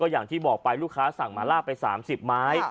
อย่างที่บอกไปลูกค้าสั่งมาล่าไป๓๐ไม้